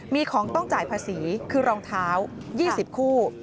มีของต้องจ่ายภาษีคือรองเท้า๒๐คู่